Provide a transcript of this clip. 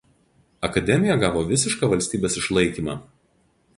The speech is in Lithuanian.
Akademija gavo visišką valstybės išlaikymą.